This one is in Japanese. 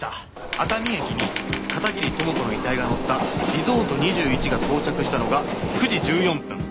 熱海駅に片桐朋子の遺体が乗ったリゾート２１が到着したのが９時１４分。